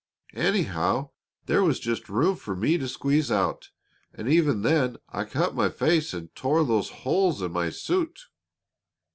Anyhow, there was just room for me to squeeze out, and even then I cut my face and tore these holes in my suit."